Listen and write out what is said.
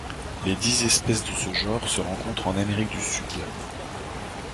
Les dix espèces de ce genre se rencontrent en Amérique du Sud.